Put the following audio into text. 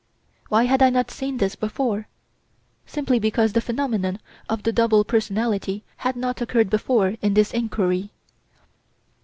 Why had I not seen this before? Simply because the phenomenon of the double personality had not occurred before in this inquiry.